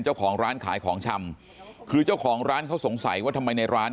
เจ้าของร้านขายของชำคือเจ้าของร้านเขาสงสัยว่าทำไมในร้าน